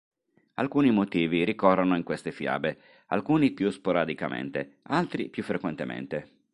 Alcuni motivi ricorrono in queste fiabe, alcuni più sporadicamente, altri più frequentemente.